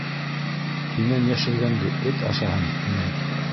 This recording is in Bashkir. Һинән йәшергәнде эт ашаһын, инәй.